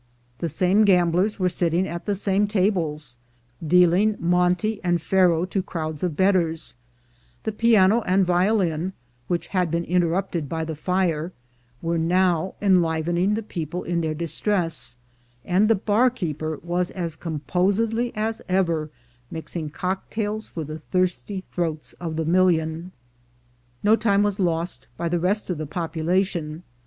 The same gamblers w^ere sitting at the same tables, deal ing monte and faro to crowds of betters; the piano and violin, which had been interrupted by the fire, were now enlivening the people in their distress; and the bar keeper was as composedly as ever mixing cock tails for the thirsty throats of the million. No time was lost by the rest of the population.